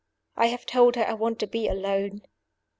I have told her I want to be alone.